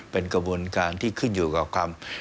เป็นกระบวนการที่ขึ้นอยู่กับความ